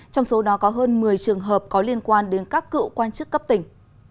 trong số đó có hơn một mươi trường hợp có liên quan đến các cựu quan chức cấp tỉnh